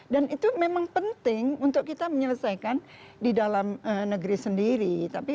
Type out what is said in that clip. dan itu memang penting untuk kita menyelesaikan di dalam negeri sendiri